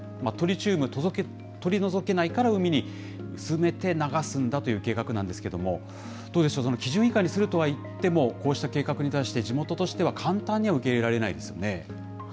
トリチウム、取り除けないから、海に薄めて流すんだという計画なんですけれども、どうでしょう、基準以下にするとはいっても、こうした計画に対して、地元としては簡単には受け入れられないですよね。